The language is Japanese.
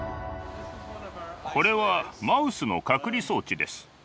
これはマウスの隔離装置です。